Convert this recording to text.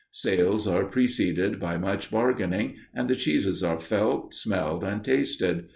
Sales are preceded by much bargaining, and the cheeses are felt, smelled, and tasted.